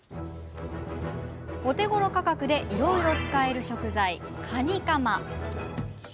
お手ごろ価格でいろいろ使える食材、カニカマ。